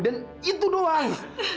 dan itu doang